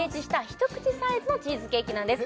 １口サイズのチーズケーキなんです